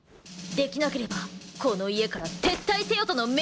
できなければこの家から撤退せよとの命令だ。